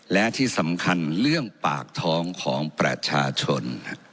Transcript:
และที่สำคัญเรื่องปากท้องของประชาชน